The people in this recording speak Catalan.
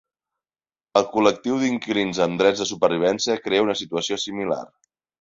El col·lectiu d'inquilins amb drets de supervivència crea una situació similar.